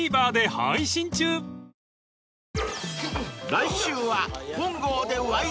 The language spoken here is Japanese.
［来週は］